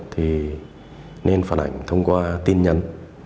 thì nên phản ảnh thông qua tin nhắn